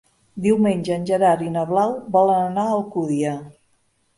Diumenge en Gerard i na Blau volen anar a l'Alcúdia.